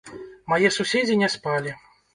Мае суседзі не спалі.